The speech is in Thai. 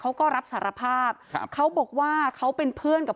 เขาก็รับสารภาพครับเขาบอกว่าเขาเป็นเพื่อนกับ